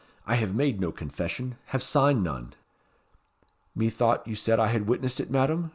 "I have made no confession, have signed none." "Methought you said I had witnessed it, Madam?"